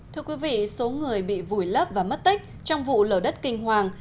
thưa quý vị số người bị vùi lấp và mất tích trong vụ lở đất kinh hoàng